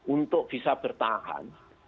untuk bisa bertahan